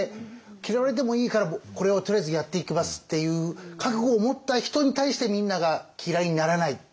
嫌われてもいいからこれをとりあえずやっていきますっていう覚悟を持った人に対してみんなが嫌いにならない。